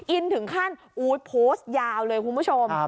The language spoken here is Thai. อินถึงขั้นโพสต์ยาวเลยคุณผู้ชม